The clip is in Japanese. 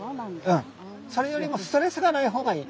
それよりもストレスがない方がいい。